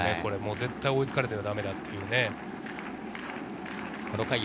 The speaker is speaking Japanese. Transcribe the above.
絶対追いつかれてはだめだということで。